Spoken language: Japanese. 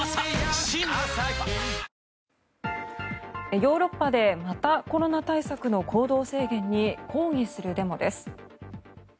ヨーロッパでまたコロナ対策の行動制限に抗議するデモです。